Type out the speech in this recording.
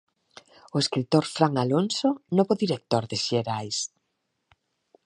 O escritor Fran Alonso, novo director de Xerais.